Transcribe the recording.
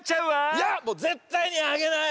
いやもうぜったいにあげない！